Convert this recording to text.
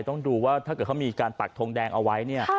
ต้องดูว่าถ้าเกิดเขามีการปักทงแดงเอาไว้เนี่ย